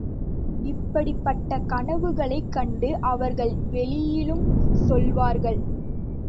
இப்படிப்பட்ட கனவுகளைக் கண்டு அவர்கள் வெளியிலும் சொல்லுவார்கள்.